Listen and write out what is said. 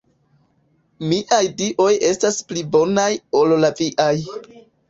Miaj Dioj estas pli bonaj ol la viaj.